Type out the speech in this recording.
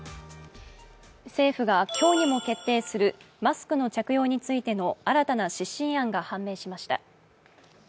政府は今日にも決定するマスクの着用についての新たな指針案が判明しました。